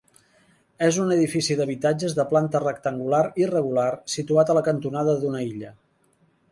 És un edifici d'habitatges de planta rectangular irregular situat a la cantonada d'una illa.